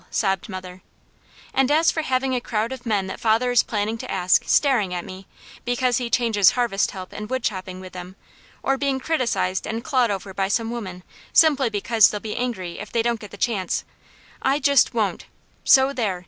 sobbed mother. "And as for having a crowd of men that father is planning to ask, staring at me, because he changes harvest help and wood chopping with them, or being criticised and clawed over by some women simply because they'll be angry if they don't get the chance, I just won't so there!